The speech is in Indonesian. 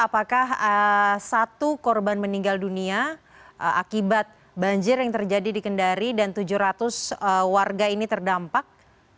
apakah satu korban meninggal dunia akibat banjir yang terjadi di kendari dan tujuh ratus warga ini terdampak